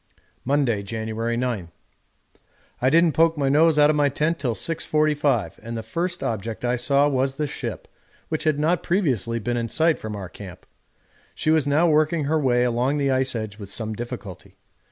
Monday, January 9. I didn't poke my nose out of my tent till 6.45, and the first object I saw was the ship, which had not previously been in sight from our camp. She was now working her way along the ice edge with some difficulty.